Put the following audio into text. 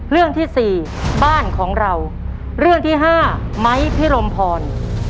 เรื่องที่สี่บ้านของเราเรื่องที่ห้าไม้พิรมพร